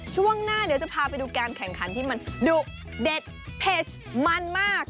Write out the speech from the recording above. ช่วงหน้าเดี๋ยวจะพาไปดูการแข่งขันที่มันดุเด็ดเผ็ดมันมาก